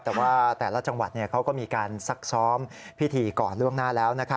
แต่ว่าแต่ละจังหวัดเขาก็มีการซักซ้อมพิธีก่อนล่วงหน้าแล้ว